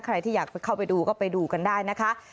ใครที่อยากเข้าไปดูก็ไปดูกันได้นะคะ